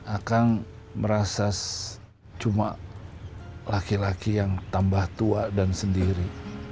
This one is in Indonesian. akang merasa cuma laki laki yang tambah tua dan sendiri